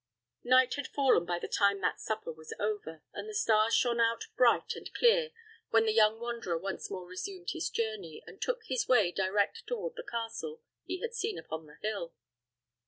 Night had fallen by the time that supper was over, and the stars shone out bright and clear when the young wanderer once more resumed his journey, and took his way direct toward the castle he had seen upon the hill.